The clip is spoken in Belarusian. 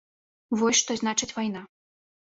Вось што значыць вайна.